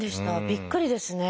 びっくりですね。